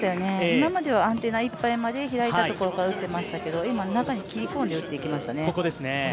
今まではアンテナいっぱいまで開いたところから打っていましたけど、今、中に切り込んで打っていきましたね。